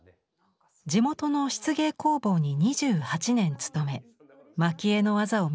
地元の漆芸工房に２８年勤め蒔絵の技を磨きました。